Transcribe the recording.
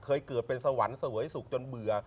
เคยเกิดเป็นสวรรค์เสวยสุขจนเบื่อ